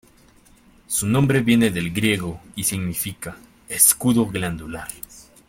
Su nombre viene del griego y significa "escudo glandular".